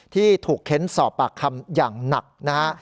ที่ถูกเค้นสอบปากคำอย่างหนักนะฮะ